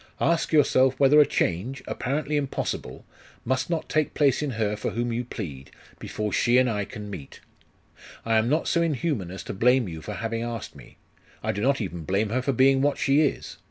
Ask yourself whether a change apparently impossible must not take place in her for whom you plead, before she and I can meet. I am not so inhuman as to blame you for having asked me; I do not even blame her for being what she is.